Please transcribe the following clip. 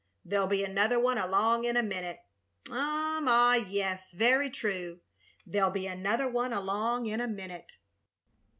There'll be another one along in a minute.' Um ah yes very true there'll be another one along in a minute."